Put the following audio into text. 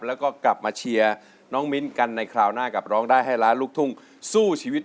แล้วก็กลับมาเชียร์น้องมิ้นกันในคราวหน้ากับร้องได้ให้ล้านลูกทุ่งสู้ชีวิต